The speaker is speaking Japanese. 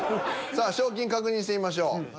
さあ賞金確認してみましょう。